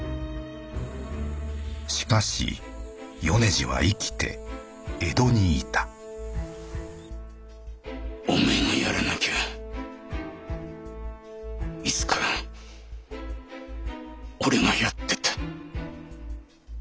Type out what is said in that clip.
しかし米次は生きて江戸にいたおめえがやらなきゃいつか俺がやってた。